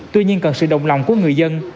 tuy nhiên cần sự đồng lòng của người dân